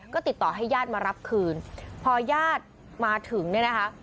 ก็ติดต่อให้ยาดมารับคืนพอยาดมาถึงนี่นะคะ